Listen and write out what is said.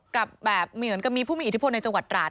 กับแบบเหมือนกับมีผู้มีอิทธิพลในจังหวัดตราด